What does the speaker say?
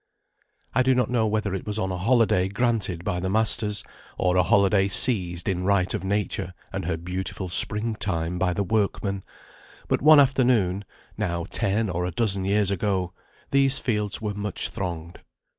I do not know whether it was on a holiday granted by the masters, or a holiday seized in right of Nature and her beautiful spring time by the workmen, but one afternoon (now ten or a dozen years ago) these fields were much thronged.